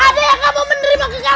ada yang gak mau menerima kekalahan itu